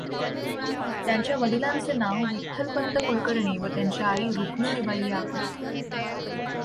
त्यांच्या वडिलांचे नाव विठ्ठलपंत कुलकर्णी व त्यांच्या आई रुक्मिणीबाई या होत.